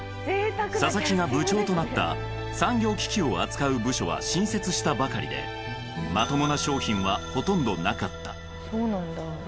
佐々木が部長となった産業機器を扱う部署は新設したばかりでまともな商品はほとんどなかったそうなんだ。